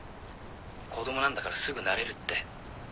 子供なんだからすぐ慣れるって。